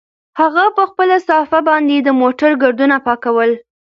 هغه په خپله صافه باندې د موټر ګردونه پاکول.